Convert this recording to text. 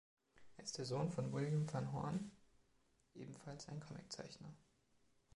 Er ist der Sohn von William Van Horn, ebenfalls ein Comiczeichner.